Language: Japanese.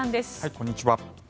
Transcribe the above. こんにちは。